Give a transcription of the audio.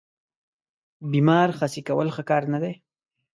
بیمار خسي کول ښه کار نه دی.